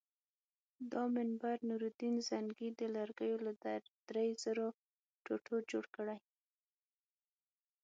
دا منبر نورالدین زنګي د لرګیو له درې زرو ټوټو جوړ کړی.